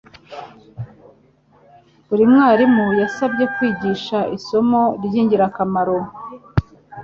buri mwarimu yasabwe kwigisha isomo ry'ingirakamaro.